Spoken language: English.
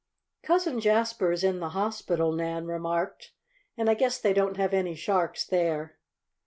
"Cousin Jasper is in the hospital," Nan remarked; "and I guess they don't have any sharks there."